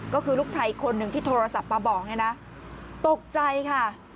ก็คือลูกชายอีกคนหนึ่งที่โทรศัพท์มาบอกเนี่ยนะตกใจค่ะ